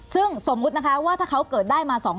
ซึ่งสมมุตินะคะว่าถ้าเขาเกิดได้มา๒๐๐